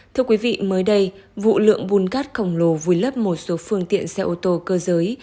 thưa quý vị mới đây vụ lượng bùn cát khổng lồ vùi lấp một số phương tiện xe ô tô cơ giới